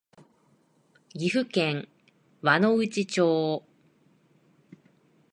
岐阜県輪之内町